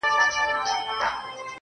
ستا د واده شپې ته شراب پيدا کوم څيښم يې.